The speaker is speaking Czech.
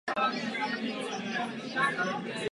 V sázce nemůže být více.